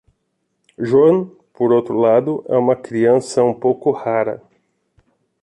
Joan, por outro lado, é uma criança um pouco "rara".